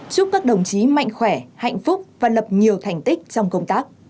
chúc các đồng chí mạnh khỏe hạnh phúc và lập nhiều thành tích trong công tác